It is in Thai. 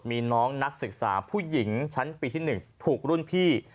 มีน้องนักศึกษาผู้หญิงชั้นปีที่๑ถูกรุ่นพี่